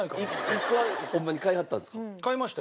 １個はホンマに買いはったんですか？